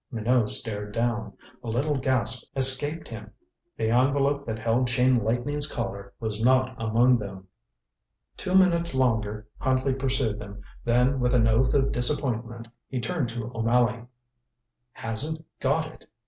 Minot stared down. A little gasp escaped him. The envelope that held Chain Lightning's Collar was not among them! Two minutes longer Huntley pursued, then with an oath of disappointment he turned to O'Malley. "Hasn't got it!"